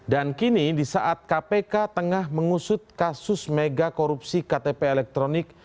dan kini di saat kpk tengah mengusut kasus mega korupsi ktp elektronik